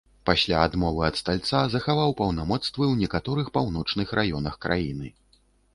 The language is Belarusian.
Пасля адмовы ад стальца захаваў паўнамоцтвы ў некаторых паўночных раёнах краіны.